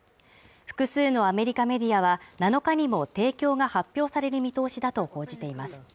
複数のアメリカメディアは７日にも提供が発表される見通しだと報じています。